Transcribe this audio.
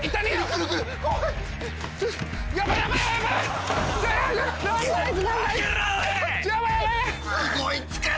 すごい力！